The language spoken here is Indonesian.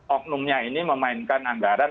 oknumnya ini memainkan anggaran